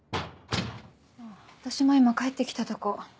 あぁ私も今帰って来たとこ。